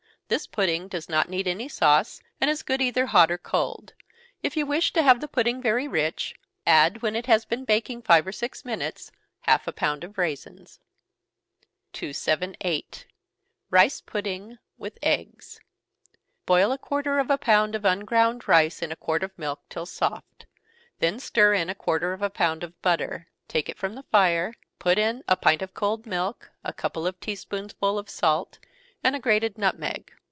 This pudding does not need any sauce, and is good either hot or cold. If you wish to have the pudding very rich, add, when it has been baking five or six minutes, half a pound of raisins. 278. Rice Pudding, with eggs. Boil a quarter of a pound of unground rice in a quart of milk till soft, then stir in a quarter of a pound of butter take it from the fire, put in a pint of cold milk, a couple of tea spoonsful of salt, and a grated nutmeg.